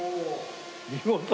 見事！